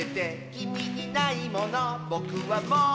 「きみにないものぼくはもってて」